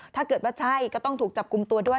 ถ้าเกิดว่าใช่ก็ต้องถูกจับกลุ่มตัวด้วย